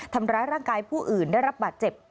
ทำร้ายร่างกายผู้อื่นได้รับบาดเจ็บ